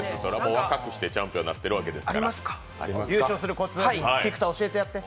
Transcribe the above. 若くしてチャンピオンになってるわけですから菊田教えてやって。